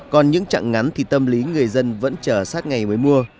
còn những chặng ngắn thì tâm lý người dân vẫn chờ sát ngày mới mua